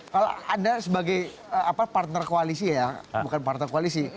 kalau anda sebagai partner koalisi ya bukan partai koalisi